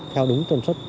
theo đúng tổng suất